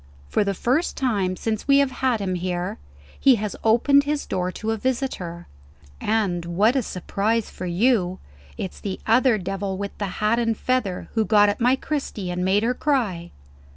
For the first time since we have had him here, he has opened his door to a visitor. And what a surprise for you! it's the other devil with the hat and feather who got at my Cristy, and made her cry."